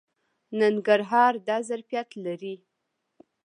ننګرهار دا ظرفیت لري.